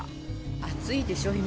暑いでしょう、今。